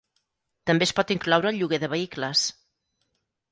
També es pot incloure el lloguer de vehicles.